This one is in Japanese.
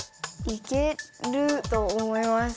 いけると思います。